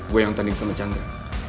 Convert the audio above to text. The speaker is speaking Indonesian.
gue yang tanding sama chandra